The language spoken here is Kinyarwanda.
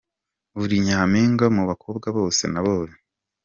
Uri nyampinga mu bakobwa bose nabonye.